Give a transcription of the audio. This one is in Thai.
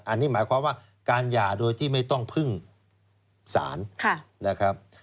อันนี้หมายความว่าการหย่าโดยที่ไม่ต้องพึ่งศาลนะครับ